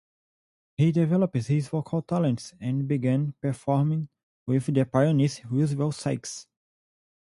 He developed his vocal talents and began performing with the pianist Roosevelt Sykes.